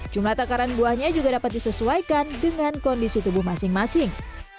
jumlah takaran buahnya juga dapat disesuaikan dengan kondisi tubuh masing masing